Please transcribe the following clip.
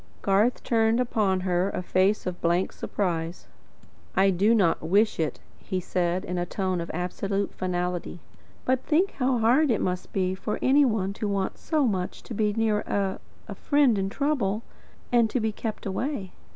Garth turned upon her a face of blank surprise. "I do not wish it," he said, in a tone of absolute finality. "But think how hard it must be for any one to want so much to be near a a friend in trouble, and to be kept away."